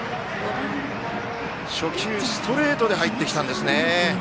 初球、ストレートで入ってきたんですね。